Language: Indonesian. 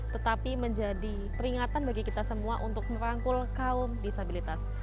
tetapi menjadi peringatan bagi kita semua untuk merangkul kaum disabilitas